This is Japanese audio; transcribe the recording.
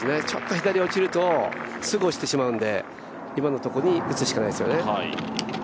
ちょっと左落ちるとすぐ落ちてしまうので今のところに打つしかないですよね。